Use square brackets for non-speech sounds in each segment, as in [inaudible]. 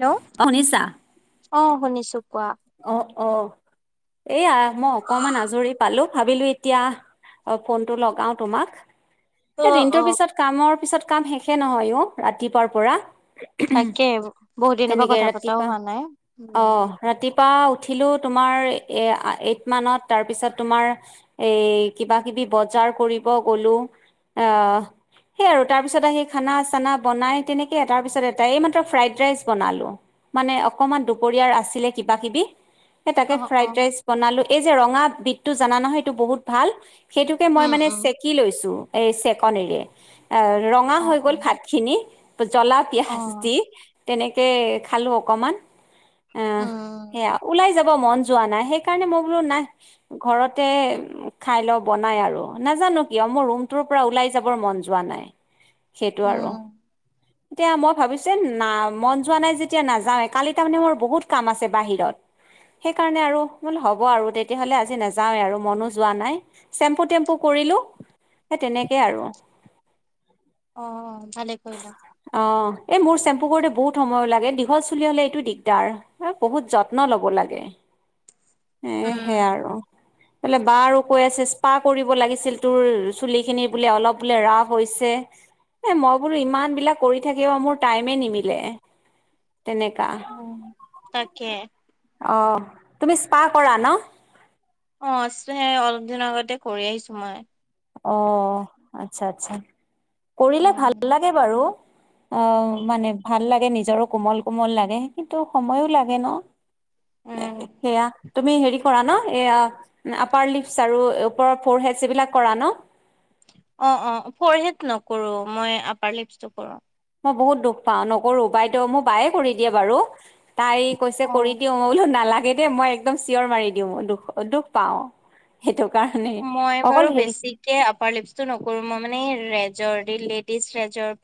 Hello অ শুনিছা? অ, শুনিছো কোৱা। অ অ', এইয়া মই অকমান আজৰি পালো ভাবিলো এতিয়া অ', ফোনটো লগাও তোমাক। অ এ অ দিনটোৰ পিছত কামৰ পিছত কাম শেষে নহয় অ, ৰাতিপুৱাৰ পৰা। তাকে বহুত দিনৰ পৰা তেনেকে কথা পতাও ৰাতিপা হোৱা নাই অ, উম ৰাতি পা উঠিলোঁ তোমাৰ এয়া এইট মানত, তাৰ পিছত তোমাৰ এই কিবা কিবি বজাৰ কৰিব গলো অ', সেই আৰু তাৰ পিছত আহি খানা চানা বনাই তেনেকে তাৰ পিছত এটা এই মাত্ৰ ফ্ৰাইড ৰাইচ বনালো। মানে অকমান দুপৰীয়াৰ আছিলে কিবা কিবি, সেই তাকে অ অ ফ্ৰাইড ৰাইচ বনালো। এই যে ৰঙা বিধটো জানা নহয়, এইটো বহুত ভাল সেইটোকে মই উম মানে উম চেকি লৈছো। এই চেকনিৰে ৰঙা অ হৈ অ গল ভাত খিনি। জ্বলা অ পিয়াজ দি তেনেকে খালো অকমান। আহ উম, সেয়া ওলাই যাব মন যোৱা নাই সেইকাৰণে মই বোলো নাই ঘৰতে খাই লও বনাই আৰু নাজানো নাজানো কিয় মোৰ ৰুমটোৰ পৰা ওলাই যাবৰ মন যোৱা নাই সেইটো আৰু উম এতিয়া মই ভাবিছে না মন যোৱা নাই যেতিয়া নাযাও এ কালি তাৰমানে মোৰ বহুত কাম আছে। বাহিৰত সেই কাৰণে আৰু বোলো হ'ব আৰু তেতিয়াহলে আজি নাযাওৱে আৰু মনো যোৱা নাই চেম্পু টেম্পু কৰি কৰিলোঁ সেই তেনেকেই আৰু। অ', অ', ভালে কৰিলা। অ এই মোৰ চেম্পু কৰোতে বহুত সময় লাগে দীঘল চুলি হ'লে এইটো দিগদাৰ হ বহুত যত্ন লব লাগে এ উম সেয়া আৰু। বোলে বাৰ কৈ আছে স্পা কৰিব লাগিছিল তোৰ চুলি খিনি বোলে অলপ বোলে ৰাফ হৈছে। এ মই বোলো ইমান বিলাক কৰি থাকিব মোৰ টাইমে নিমিলে। তেনেকা কে অ', তুমি স্পা কৰা ন? অ', এ সেই অলপ দিনৰ আগতে কৰি আহিছো মই। অ', আচ্ছা আচ্ছা কৰিলে উম ভাল লাগে বাৰু। অ মানে ভাল লাগে নিজৰো কোমল কোমল লাগে কিন্তু সময়ো লাগে ন উম সেয়া তুমি হেৰি কৰা ন এয়া আপাৰ লিপচ আৰু ওপৰ ফৰ হেডছ এইবিলাক কৰা ন অ অ ফৰহেড নকৰো মই আপাৰ লিপটো কৰো মই বহুত দুখ পাওঁ নকৰো বাইদেউ মোক বায়ে কৰি দিয়ে বাৰু তাই কৈছে অ কৰি দিও মই বোলো নালাগে এ মই একদম চিঞৰ মাৰি দিও দুখ দুখ পাও সেইটোক মই বাৰু বেছিকে আপাৰ লিপচটো নকৰো মই মানে ৰেজৰ দি লেপ ট্ৰেচ্ ৰেজব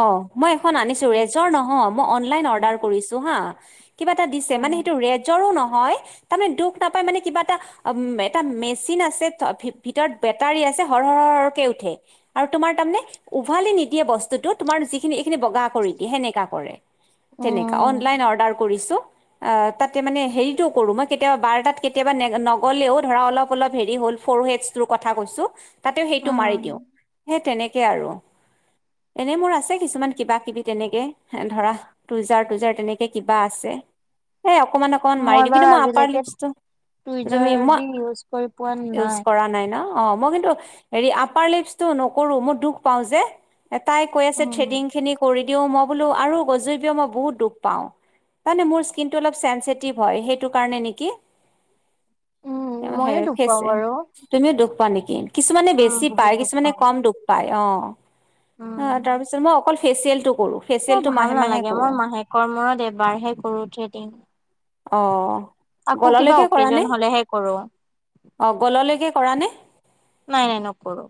অ মই এখন আনিছো ৰেজৰ নহয় মই অনলাইন অৰ্ডাৰ কৰিছো হা কিবা এটা দিছে উম, মানে সেইটো ৰেজৰো ন হয় তাৰমানে দুখ নাপায় মানে কিবা এটা এটা মেচিন আছে ভি ভিতৰত বেটাৰী আছে হৰ হৰ কে উঠে আৰু তোমাৰ তাৰে উভালি নিদিয়ে বস্তু যদিঅ তোমাৰ যিখিনি এইখিনি বগা কৰি দিয়ে সেনেকা কৰে তেনেকা উম, অনলাইন অৰ্ডাৰ কৰিছো আ তাতে মানে হেৰিটো কৰো মই কে বাৰ তাত কেতিয়াবা নেগা নগলেও ধৰা অলপ অ অলপ হেৰি হল ফৰ হেডটোন কথা কৈছো তাতেও সেইটো মাৰি দিওঁ সেই তেনেকে আৰু এনেই মোৰ আছে কিছুমান কিবা কিবি তেনেকে ধৰা টুজাৰ টুইজাৰ তেনেকে কিবা আছে এই অকণমান অকণমান মাৰি দিও বাৰু কিন্তু মই আপাৰ আজিলৈকে লিপচটো টুইজাৰ তুমি মই দি ইউজ কৰি পোৱা ইউজ কৰা নাই ন অ মই কিন্তু হেৰি আপাৰ লিপচটো নকৰো মোৰ দুখ পাওঁ যে তাই কৈ আছে উম, থ্ৰেডিং খিনি কৰি দিও মই বোলো আৰু গজিবও মই বহুত দুখ পাও মানে মোৰ স্কিনটো অলপ চেঞ্চিটিভ হয় সেইটো কাৰণে নিকি উম, সে ময়ো দুখ পাওঁ খেছে বাৰু। তুমিও দুখ পোৱা নিকি কিছুমানে উম, বেছি বহুত পায় দুখ কিছুমানে পাওঁ, কম দুখ পায় অ অ তাৰ পিছত মই অকল ফেচিয়েল টো ত ভাল নালাগে মই মাহেকৰ মূৰত এবাৰহে কৰো থ্ৰেডিং অ আকৌ কিবা গললৈকে কৰা অকেজন নে হলেহে কৰো, অ গললৈকে কৰা নে নাই নাই নকৰো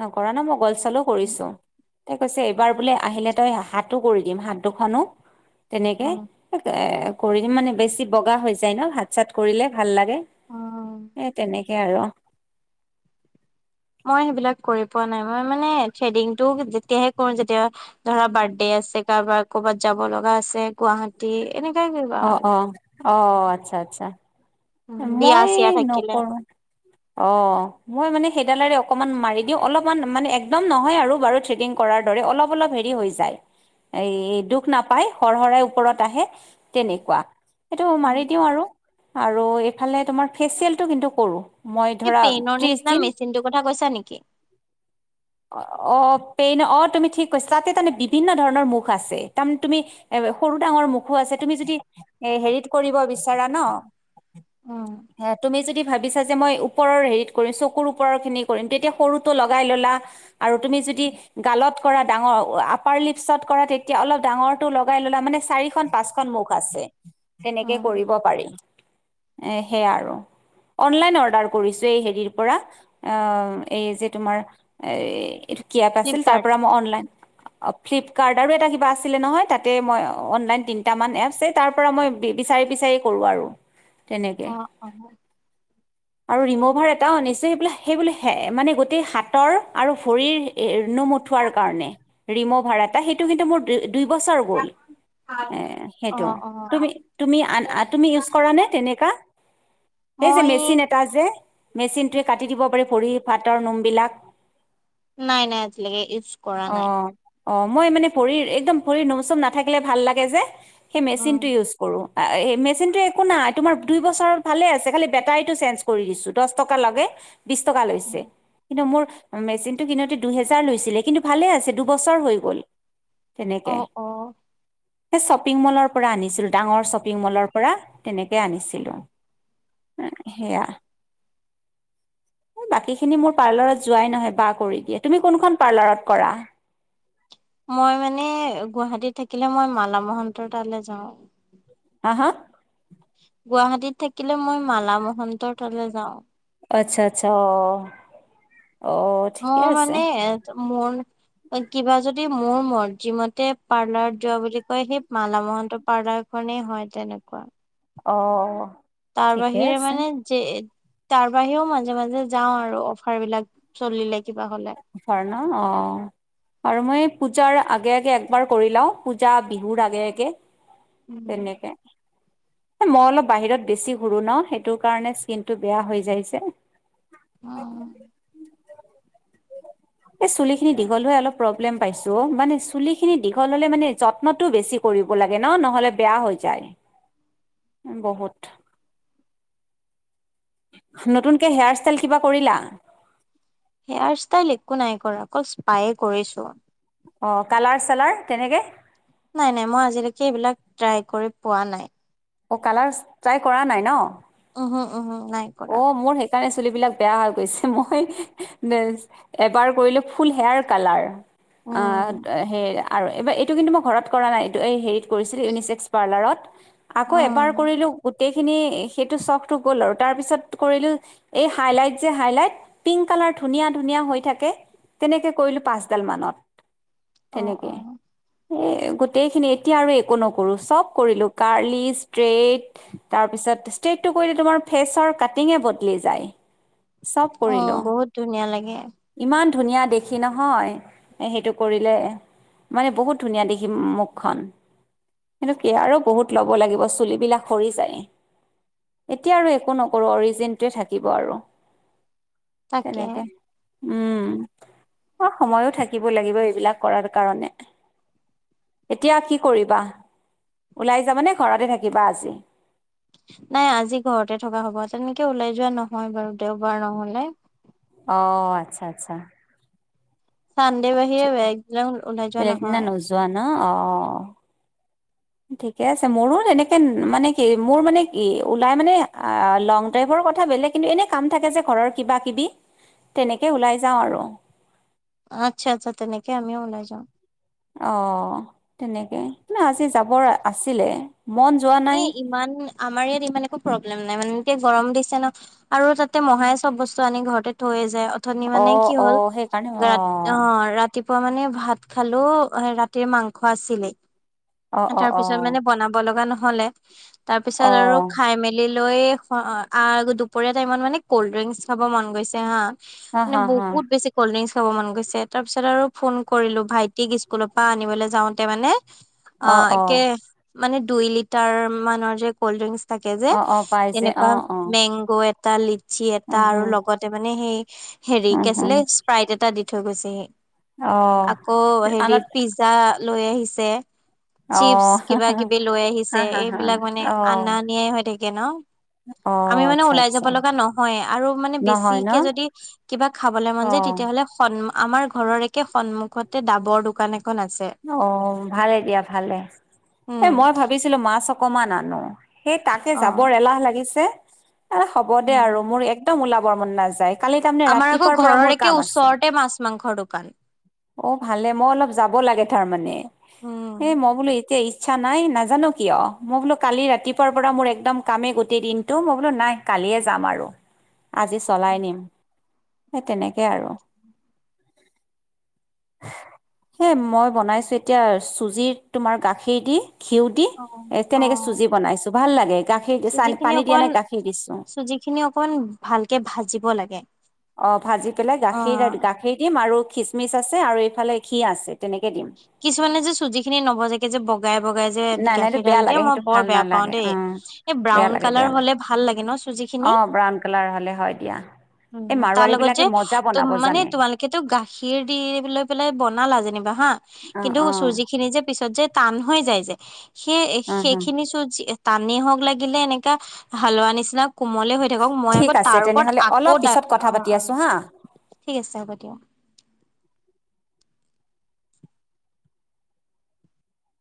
নকৰা ন মই গল চালো কৰিছো তই কৈছে এইবাৰ বোলে আহিলে তই হাটো কৰি দিম হাত দুখনো তেনেকে উম। এ কৰি দিম মানে বেছ বগা হৈ যায় ন হাত চাত কৰিলে ভাল লাগে উম, সে তেনেকে হে আৰ মই সেইবিলাক কৰি পোৱা নাই মই মানে থ্ৰেডিং টো যেতিয়াহে কৰো যেতিয়া ধৰা বাৰ্ডডে আছে কাৰোবাৰ কৰ'বাত যাব লগা আছে গুৱাহাটী এনেকাই কিবা অ আৰু। অ অ আচ্ছা আচ্ছা উম, বিয়া মই চিয়া থাকিলে। নকৰো অ মই মানে সেইডালেৰেই অক অকমান মাৰি দিওঁ অলপমান মানে একদম নহয় আৰু বাৰু থ্ৰেডিং কৰাৰ দৰে অলপ অলপ হেৰি হৈ যায় এ দুখ নাপায় হৰ হৰাই ওপৰত আহে তেনেকুৱা সেইটো উম, মাৰি দিওঁ আৰু আৰু এইফালে তোমাৰ ফেচিয়েলটো কিন্তু কৰো এই পেইনৰ নিচিনা মেচিনটোৰ কথা কৈছা নিকি অ অ পেইন অ তুমি ঠিক কৈছা তাতে তাৰমানে বিভিন্ন ধৰণৰ মুখ আছে তাৰমানে তুমি এ সৰু ডাঙৰ মুখো আছে তুমি যদি এ হেৰিত কৰিব বিচাৰা ন উম, হে তুমি যদি ভাবিছা যে মই ওপৰৰ হেৰিত কৰিম চকুৰ ওপৰৰ খিনি কৰিম তেতিয়া সৰুটো লগাই ল'লা আৰু তুমি যদি গালত কৰা ডাঙৰ আপাৰ লিপছত কৰা তেতিয়া অলপ ডাঙৰটো লগাই ললা মানে চাৰিখন পাঁচখন মুখ আছে তেনেকে উম, কৰিব পাৰি এ সেয়া আৰু অনলাইন অৰ্ডাৰ কৰিছো এই হেৰিৰ পৰা এই যে তোমাৰ এই এইটো কেপ আছিল ফ্লিপকাৰ্ট তাৰপৰা মই অনলাইন ফ্লিপকাৰ্ট আৰু এটা কিবা আছিলে নহয় তাতে মই অনলাইন তিনিটামান এপছে তাৰ পৰা মই বিচাৰিছো। কৰো আৰু তেনেকে অ অ। আৰু ৰিম'ভাৰ এটাও নিশ্চয় সেইবিলাক সেইব মানে গোটেই হাতৰ আৰু ভৰিৰ নোম উঠোৱাৰ কাৰণে ৰিম' ভাড়া া সেইটো কিন্তু মোৰ দুই দুই বছৰ গ'ল অ সেইটো অ তুমি তুমি তুমি ইউজ কৰা নে তেনেকুৱা সেই যে মই মেচিন এটা যে মেচিনটোৱে কাটি দিব পাৰি ভৰি ভাতৰ নোমবলাক। নাই নাই আজিলৈকে ইউজ কৰা অ নাই অ মই মানে ভৰিৰ একদম ভৰি নোমচুম নাথাকিলে ভাল লাগে যে সেই উম, মেচিনটো ইউজ কৰো। এই মেচিনটো একো নাই তোমাৰ দুই বছ ভালে আছে খালি বেটাৰীটো চেঞ্জ কৰিছো দহ টকা লে বিশ টকা লৈছে উম। কিন্তু মোৰ মেচিনটো কিনোতে দুহেজাৰ লৈছিলে কিন্তু ভালে আছে দুবছৰ হৈ গ'ল। তেনেকে আহ অ। সেই শ্বপিং মলৰ পৰা আনিছিলো ডাঙৰ শ্বপিং মলৰ পৰা তেনেকে আনিছিলোঁ। সেয়া বাকী খিনি মোৰ পাৰ্লাৰৰ। যোৱাই নহয় বা কৰি দিয়ে তুমি কোনখন পাৰ্লাৰত কৰা। মই মানে গুৱাহাটীত থাকিলে মই মালা মহন্ত তালৈ যাওঁ। হা হা। গুৱাহাটীত থাকিলে মই মালা মহন্তৰ তলে যাওঁ আচ্ছা আচ্ছা অ। অ ঠিকে আছে মানে মোৰ। কিবা যদি মোৰ মৰত যিমতে পাৰ্লাৰত যোৱা বুলি কয় সেই মালা মহন্ত পাৰ্লাৰ। মনে হয় তেনেকুৱা। অ। তাৰ ঠিকে বাহিৰে আছে মানে যে তাৰ বাহিৰেও মাজে মাজে যাওঁ আৰু অফাৰ বিলাক চলি লাগিল অফাৰ ন অ আৰু মই পূজাৰ আগে আগে একবাৰ কৰি লাও পূজা বিহুৰ আগে আগে তেনেকে মই অলপ বাহিৰত বেছি ঘূুৰোঁ ন সেইটোৰ কাৰণে স্কিনটো বেয়া হৈ যাইছে অ উ এই চুলি খিনি দীঘল হৈ অলপ প্ৰব্লেম পাইছো মানে চুলি খিনি দীঘল হলে মানে যত্নতটো বেছি কৰিব ক লাগে ন নহলে বেয়া হৈ যায় বহুত নতুনকে হেয়াৰ ষ্টাইল কিবা কৰিলা হেয়াৰ ষ্টাইল একো নাই কৰা অকল স্পাইে কৰিছো অ কালাৰ চালাৰ কেনেকে নাই নাই মই আজিলৈকে এইবিলাক ট্ৰাই কৰি পোৱা নাই অ কালাৰ ট্ৰাই কৰা নাই ন উম উম উম নাই কৰা কাৰণে চুলিবিলাক বেয়া হৈ গৈছে মই এবাৰ কৰিলো ফুল হেয়াৰ কালাৰ অ উম হ আৰু এইবাৰ এইটো কিন্তু মই ঘৰত কৰা নাই এইটো এই হেৰিত কৰিছিল ইউনিছেেক্স পাৰ্লাৰত আকৌ এবাৰ উম কৰিলো গোটেইখিনি সেইটো চখটো গ'ল আৰু তাৰ পিছত কৰিলো এই হাইলাইট যে হাইলাইট পিংক কালাৰ ধুনীয়া ধুনীয়া হৈ থাকে তেনেকে কৰিলো পাচডাল মানত অ অ এ গোটেইখিনি এতিয়া আৰু একো নকৰো চব কৰিলো কাৰ্লি ষ্ট্ৰেট তাৰপিছত [unintelligible] ষ্ট্ৰেটটো কৰিলে তোমাৰ ফেচৰ কাটিঙে বদলি যায় চব অ কৰিলো বহুত ধুনীয়া লাগে ইমান ধুনীয়া দেখি নহয় সেইটো কৰিলে মানে বহুত ধুনীয়া দেখি মুখখন [unintelligible] কি আৰু বহুত ল'ব লাগিব চুলিবিলাক সৰি যায় এতিয়া আৰু একো নকৰোঁ অৰিজিনটোৱে থাকিব আৰু তাকে তেনেকে উম অ সময়ো থাকিব লাগিব এইবিলাক কৰাৰ কাৰণে এতিয়া কি কৰিবা ওলাই যাবানে ঘৰতে থাকিবা আজি নাই আজি ঘৰতে থকা হ'ব তেনেকে ওলাই যোৱা নহয় বাৰু দেওবাৰ নহলে অঁ আচ্ছা আচ্ছা চান্দে বাহিৰে বেলেগ দিনাখন ওলাই যোৱা বেলেগ দিনা নহয় নোযোৱা ন অ ঠিকে আছে মোৰো এনেকে মানে কি মোৰ মানে কি ওলাই মানে লং ড্ৰাইভৰ কথা বেলেগ কিন্তু এনে কাম থাকে যে ঘৰৰ কিবা কিবি তেনেকে ওলাই যাওঁ আৰু আচ্ছা আচ্ছা তেনেকে আমিও ওলাই যাওঁ অ তেনেকে [unintelligible] আজি যাবৰ আছিলে মন যোৱা নাই এ ইমান আমাৰ ইয়াত ইমান একো প্ৰব্লেম নাই মানে তেয়া গৰম দিছে ন আৰু তাতে মহাই চব বস্তু আনি ঘৰতে থৈয়ে যায় অথনি অ মানে কি অ হ'ল সেইকাৰণে অ [unintelligible] ৰাতিপুৱা মানে ভাত খালো ৰাতিৰ মাংস আছিলে অ অ অ তাৰপিছত মানে বনাব লগা নহলে তাৰ পিছত অ আৰু খাই মেলি [unintelligible] লৈ এ দুপৰীয়াৰ টাইমত মানে কল্ড ড্ৰিংকচ খাব মন গৈছে হা হা মানে হা হা বহুত বেছি কল ড্ৰিংচ খাব মন গৈছে তাৰ পিছত আৰু ফোন কৰিলো ভাইটিক স্কুলৰ পৰা আনিবলৈ যাওঁতে মানে অ একে মানে দুই লিটাৰ মানৰ যে কল্ড ড্ৰিংক তাকে যে অ অ পাই যে অ তেনেকুৱা অ মেংগ' এটা লিচি এটা উম আৰু হম লগতে মানে সেই হেৰি উম কে হম আছিলে স্প্ৰাইট এটা দি থৈ গৈছেহি অ আকৌ হেৰি আনত পিজ্জা লৈ আহিছে অ চিপচ কিবা কিবি লৈ হা আহিছে হা হা হা এইবিলাক মানে অ আনা নিয়া হৈ থাকে ন অ আমি মানে আচ্ছা উলাই যাব আচ্ছা লগা নহয়েই আৰু মানে নহয় ন বেছিকে যদি কিবা খাবলে মন যায় অ তেতিয়াহ'লে সন্ আমাৰ ঘৰৰ একে সন্মুখতে ডাবৰ দোকান [unintelligible] অ ভালে দিয়া ভালে এ উম মই ভাবিছিলো মাছ অকমান আনো সেই তাকে অ যাবৰ এলাহ লাগিছে হ'ব দে উম আৰু মোৰ একদম ওলাবৰ মন নাযায় কালি তাৰমানে আমাৰ আকৌ ৰাতিপুৱাৰ পৰা ঘৰৰ মোৰ একে কাম আছে ওচৰতে মাছ মাংসৰ দোকান। অ ভালে মই অলপ যাব লাগে তাৰ মানে এ উম। মই বোলো এতিয়া ইচ্ছা নাই নাজানো কিয় মই বোলো কালি ৰাতিপুৱাৰ পৰা মোৰ একদম কামেই গোটেই দিনটো মই বোলো নাই কালিয়ে যাম আৰু আজি চলাই নিম সেই তেনেকে আৰু সেই মই বনাইছো এতিয়া চুজি তোমাৰ গাখীৰ দি ঘিউ দি অ এ অ তেনেকে চুজি বনাইছো ভাল লাগে গাখীৰ দি চান চুজি খিনি পানী দিয়া অকমান নাই গাখীৰ দিছোঁ চুজি খিনি অকমান ভালকে ভাজিব লাগে অ ভাজি পেলাই গাখীৰ অ'। গাখীৰ দিম আৰু খিচমিচ আছে আৰু এইফালে ঘি আছে তেনেকে দিম কিছুমানে যে চুজি খিনি নবজাগে যে বগাই বগাই [unintelligible] যে নাই নাই এইটো গাখীৰ বেয়া ঢালি দিয়ে লাগে মই সেইটো বৰ ভাল বেয়া পাও নালাগে দে অঁ এই বেয়া ব্ৰাউন লাগে কালাৰ বেয়া লাগে হলে ভাল লাগে ন চুজিখিনি অঁ ব্ৰাউন কালাৰ হ'লে হয় দিয়া উ এই তাৰ মাৰোৱাৰী লগত বিলাকে যে মজা তম বনাব মানে জানে তোমালোকেতটো গাখীৰ দি লৈ পেলাই বনালা যেনিবা হা অঁ কিন্তু অঁ চুজি খিনি যে পিছত যে টান হৈ যায় যে সেই অঁ সেইখিনি চুজি টানে হওঁক লাগিলে এনেকা হালোৱা নিচিনা কোমলে হৈ থাকক মই ঠিক আকৌ আছে তাৰ ওপৰত তেনেহ'লে আ অলপ অ পিছত কথা অ পাতি আছোঁ হা ঠিক আছে হ'ব দিয়া।